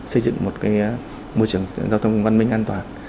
xây dựng một môi trường giao thông văn minh an toàn